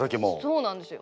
そうなんですよ。